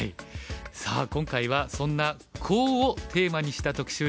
さあ今回はそんなコウをテーマにした特集です。